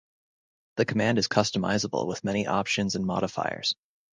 The command is customizable with many options and modifiers.